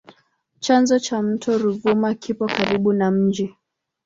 Chanzo cha mto Ruvuma kipo karibu na mji.